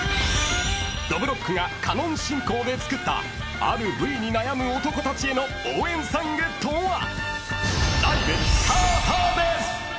［どぶろっくがカノン進行で作ったある部位に悩む男たちへの応援ソングとは］